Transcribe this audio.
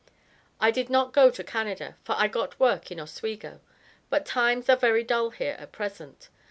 I did not go to Canada for I got work in Oswego, but times are very dull here at present.